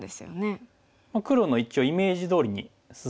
黒の一応イメージどおりに進んでますかね。